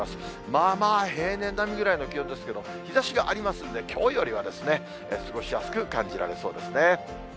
まあまあ平年並みぐらいの気温ですけど、日ざしがありますんで、きょうよりは過ごしやすく感じられそうですね。